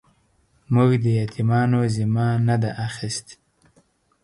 موږ د يتيمانو ذمه نه ده اخيستې.